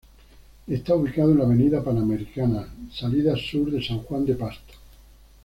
Está ubicado en la Avenida Panamericana, salida sur de San Juan de Pasto.